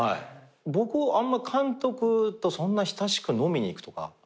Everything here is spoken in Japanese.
僕あんま監督とそんな親しく飲みに行くとか。